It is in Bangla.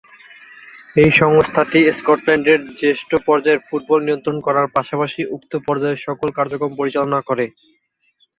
এই সংস্থাটি স্কটল্যান্ডের জ্যেষ্ঠ পর্যায়ের ফুটবল নিয়ন্ত্রণ করার পাশাপাশি উক্ত পর্যায়ের সকল কার্যক্রম পরিচালনা করে।